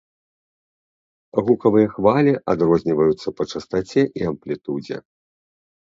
Гукавыя хвалі адрозніваюцца па частаце і амплітудзе.